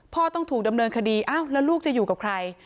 ต้องถูกดำเนินคดีอ้าวแล้วลูกจะอยู่กับใคร